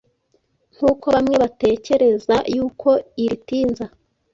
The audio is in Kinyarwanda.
nk’uko bamwe batekereza yuko iritinza.